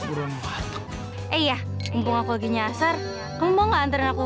eh ya mumpung aku lagi nyasar kamu mau gak antarin aku